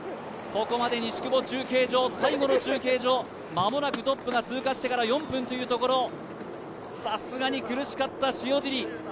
ここまで西久保中継所、最後の中継所間もなくトップが通過してから４分さすがに苦しかった塩尻。